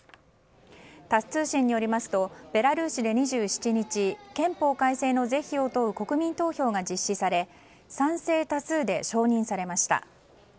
タス通信によりますとベラルーシで２７日憲法改正の是非を問う国民投票が実施され賛成多数で承認されました。